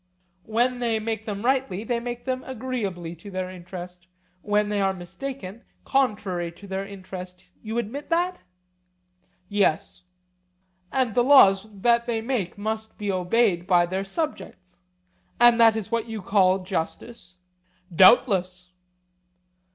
When they make them rightly, they make them agreeably to their interest; when they are mistaken, contrary to their interest; you admit that? Yes. And the laws which they make must be obeyed by their subjects,—and that is what you call justice? Doubtless.